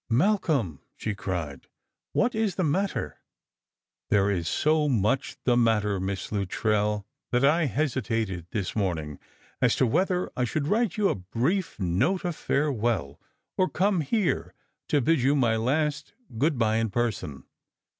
" Malcolm !" she cried, " what is the matter ?"" There is so much the matter, Miss Luttrell, ihct I havt hesitated this morning as to whether I should write you a brie4 Dote of farewell, or come here to bid you my last good bye in person.'